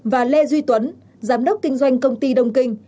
và lê duy tuấn giám đốc kinh doanh công ty đông kinh